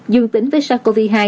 dương tính với sars cov hai